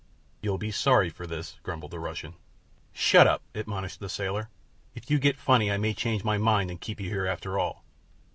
"You'll be sorry for this," grumbled the Russian. "Shut up," admonished the sailor. "If you get funny I may change my mind, and keep you here after all."